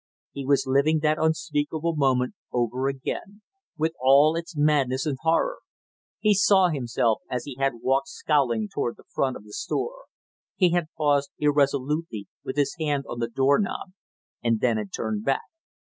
He was living that unspeakable moment over again, with all its madness and horror. He saw himself as he had walked scowling toward the front of the store; he had paused irresolutely with his hand on the door knob and then had turned back.